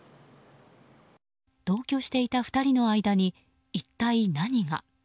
同居していた２人の間に一体何が。